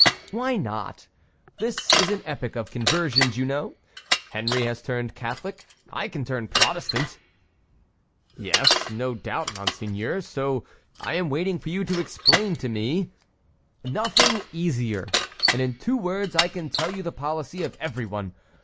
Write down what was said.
"Why not? This is an epoch of conversions, you know. Henry has turned Catholic; I can turn Protestant." "Yes, no doubt, monseigneur; so I am waiting for you to explain to me"— "Nothing is easier; and in two words I can tell you the policy of every one.